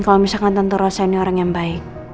kalau misalkan tentu rosa ini orang yang baik